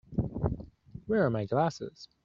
Where are my glasses?